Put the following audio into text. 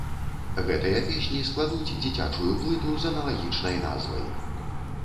Гэтыя песні складуць дзіцячую плыту з аналагічнай назвай.